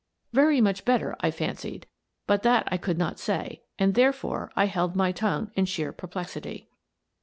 Very much better, I fancied, but that I could not say, and, therefore, I held my tongue in sheer per plexity.